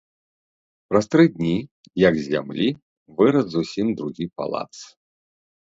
Праз тры дні, як з зямлі, вырас зусім другі палац.